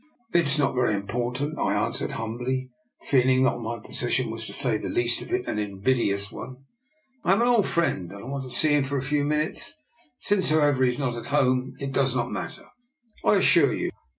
"" It is not very important," I answered humbly, feeling that my position was, to say the least of it, an invidious one. " I am an old friend, and I wanted to see him for a few minutes. Since, however, he is not at home, it does not matter, I assure you.